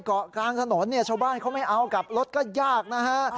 เกาะกลางถนนเนี่ยชาวบ้านเขาไม่เอากลับรถก็ยากนะฮะ